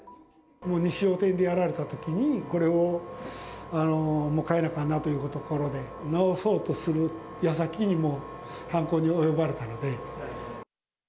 もう西尾店でやられたときに、これをもう替えなあかんなというところで、直そうとするやさきにもう、犯行に及ばれたので。